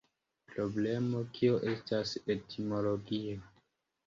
Problemo: kio estas etimologio?